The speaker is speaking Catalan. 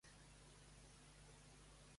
Què ha confessat Xuclà?